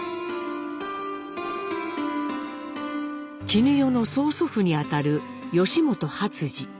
絹代の曽祖父にあたる本初次。